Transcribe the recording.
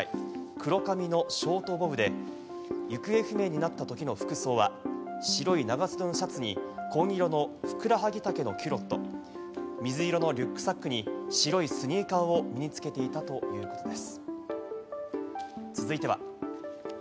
仁科さんは身長１６７センチくらい、黒髪のショートボブで行方不明になったときの服装は白い長袖のシャツに紺色のふくらはぎ丈のキュロット、水色のリュックサックに白いスニーカーを身に着けていたということです。